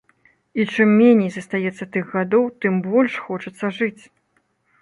І чым меней застаецца тых гадоў, тым больш хочацца жыць.